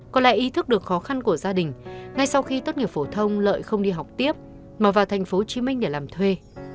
có lẽ ý thức được khó khăn của gia đình ngay sau khi tốt nghiệp phổ thông lợi không đi học tiếp mà vào thành phố hồ chí minh để làm thuê